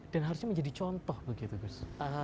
dan harusnya menjadi contoh begitu gus